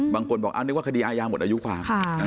บางคนบอกนึกว่าคดีอายาหมดอายุความ